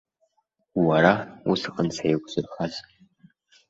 Уара, усҟан сеиқәзырхаз.